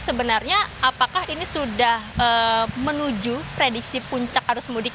sebenarnya apakah ini sudah menuju prediksi puncak arus mudik